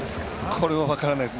これは分からないです。